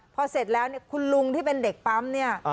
พอเสร็จแล้วเนี่ยคุณลุงที่เป็นเด็กปั๊มเนี่ย